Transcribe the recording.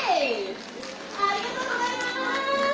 ありがとうございます！